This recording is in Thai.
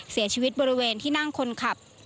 เสียชีวิตบริเวณที่นั่งคนขับ